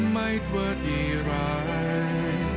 ไม่ว่าดีร้าย